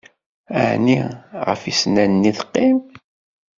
Ɛni, ɣef yisennanen i teqqim?